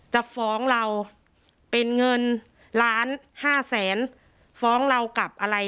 จะฟ้องเราเป็นเงินล้านห้าแสนฟ้องเรากับอะไร